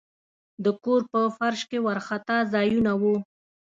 د کور په فرش کې وارخطا ځایونه وو.